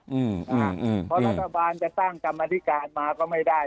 เพราะรัฐบาลจะตั้งกรรมธิการมาก็ไม่ได้